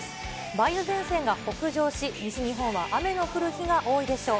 梅雨前線が北上し、西日本は雨の降る日が多いでしょう。